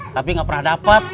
tapi gak pernah dapet